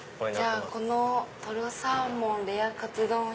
このとろサーモンレアカツ丼を。